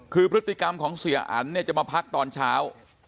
คือพฤติกรรมของเสียอันเนี่ยจะมาพักตอนเช้า